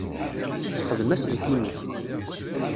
Ssexdem aselkim-ik.